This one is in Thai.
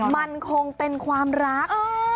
มันคงเป็นความรัก